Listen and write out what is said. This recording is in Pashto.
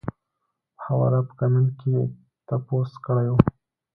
پۀ حواله پۀ کمنټ کښې تپوس کړے وۀ -